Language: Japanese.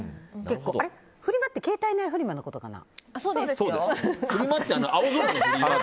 あれフリマって携帯内フリマのことかな？